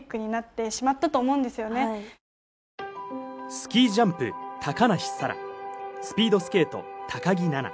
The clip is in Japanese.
スキージャンプ・高梨沙羅、スピードスケート・高木菜那。